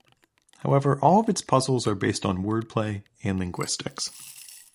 However, all of its puzzles are based on wordplay and linguistics.